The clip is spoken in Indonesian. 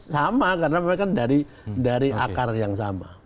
sama karena mereka kan dari akar yang sama